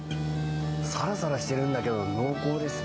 さらさらしてるんだけど濃厚ですね。